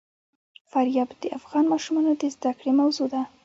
فاریاب د افغان ماشومانو د زده کړې موضوع ده.